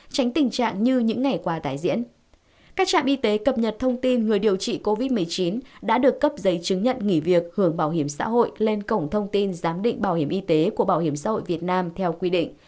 các trạm y tế cập nhật thông tin người điều trị covid một mươi chín đã được cấp giấy chứng nhận nghỉ việc hưởng bảo hiểm xã hội lên cổng thông tin giám định bảo hiểm y tế của bảo hiểm xã hội việt nam theo quy định